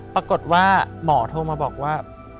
ปรากฏว่าหมอโทรมาบอกว่า